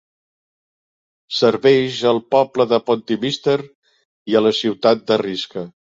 Serveix al poble de Pontymister i a la ciutat de Risca.